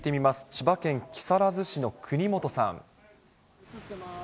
千葉県木更津市の国本さん。